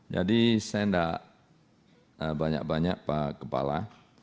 jadi saya enggak banyak banyak pak kepala